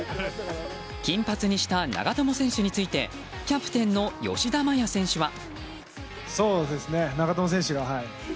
金髪にした長友選手についてキャプテンの吉田麻也選手は。